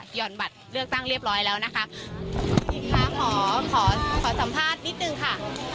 ค่ะหย่อบัตรเลือกตั้งเรียบร้อยแล้วนะคะครับหอหมอขอขอสัมภาษณ์นิดนึงค่ะ